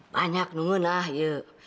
banyak nungun lah ya